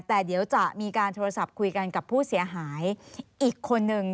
แต่เดี๋ยวจะมีการโทรศัพท์คุยกันกับผู้เสียหายอีกคนนึง